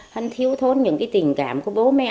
hắn thiếu thốn những tình cảm của bố mẹ